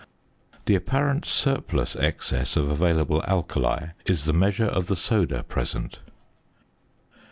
The apparent surplus excess of available alkali is the measure of the soda present.